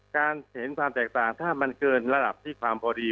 การเห็นความแตกต่างถ้ามันเกินระดับที่ความพอดี